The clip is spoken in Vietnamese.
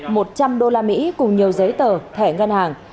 một trăm đô la mỹ cùng nhiều giấy tờ thẻ ngăn hàng